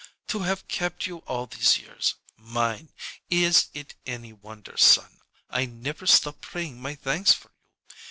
To have kept you all these years mine is it any wonder, son, I never stop praying my thanks for you?